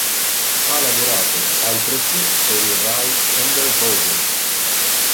Ha lavorato altresì per il Rai Sender Bozen.